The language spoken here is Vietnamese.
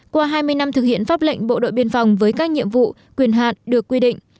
qua hai mươi năm thực hiện pháp lệnh bộ đội biên phòng với các nhiệm vụ quyền hạn được quy định